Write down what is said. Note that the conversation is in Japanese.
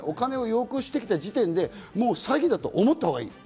要求してきた時点で詐欺だと思ったほうがいい。